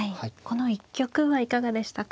この一局はいかがでしたか。